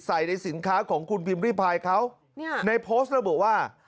ใส่ในสินค้าของคุณพิมพ์รีไพรเขานี่ฮะในโพสต์แล้วบอกว่า